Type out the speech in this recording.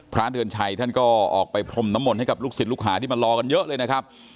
พระเดือนชัยท่านก็ออกไปพรมน้ำมนต์ให้กับลูกศิษย์ลูกหาที่มารอกันเยอะเลยนะครับ